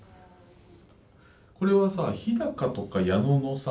これはさ日とか矢野のさ